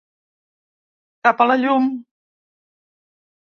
Cap a la llum.